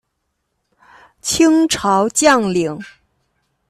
清朝将领。